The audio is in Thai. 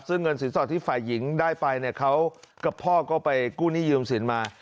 ซึ่งเงินสินสอดที่ฝ่ายหญิงได้ไปเนี่ยเขากับพ่อก็ไปกู้หนี้ยืมสินมา